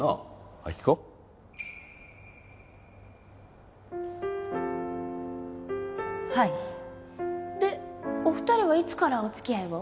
亜希子はいでお二人はいつからお付き合いを？